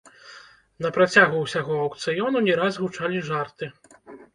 На працягу ўсяго аўкцыёну не раз гучалі жарты.